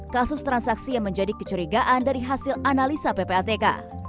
kasus transaksi yang menjadi kecurigaan dari hasil analisa ppatk